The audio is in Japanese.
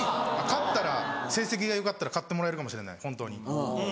勝ったら成績がよかったら買ってもらえるかもしれない本当に。